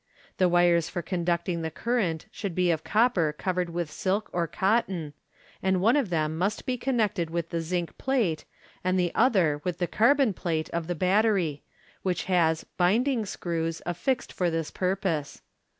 The wires for conducting the cur rent should be of copper covered with silk or cotton, and one of them must be connected with the zinc plate, and the other with the carbon plate of the battery, which has " binding screws" affixed for this purpose.